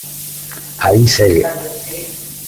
Aí segue.